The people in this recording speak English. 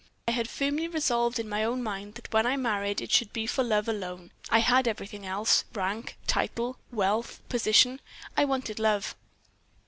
I had firmly resolved in my own mind that when I married it should be for love alone. I had everything else rank, title, wealth, position. I wanted love.